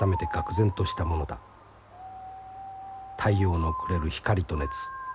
太陽のくれる光と熱。